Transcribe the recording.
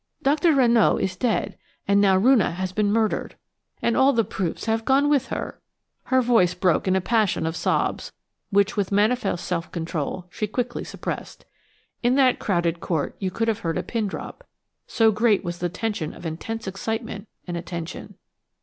Dr. Rénaud is dead, and now Roonah has been murdered, and all the proofs have gone with her–" Her voice broke in a passion of sobs, which, with manifest self control, she quickly suppressed. In that crowded court you could have heard a pin drop, so great was the tension of intense excitement and attention.